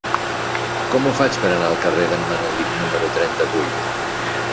Com ho faig per anar al carrer d'en Manelic número trenta-vuit?